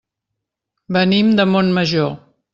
Venim de Montmajor.